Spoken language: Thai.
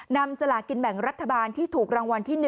สลากินแบ่งรัฐบาลที่ถูกรางวัลที่๑